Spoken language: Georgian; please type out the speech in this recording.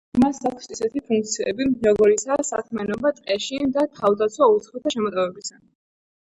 მას აქვს ისეთი ფუნქციები, როგორიცაა საქმიანობა ტყეში და თავდაცვა უცხოთა შემოტევებისგან.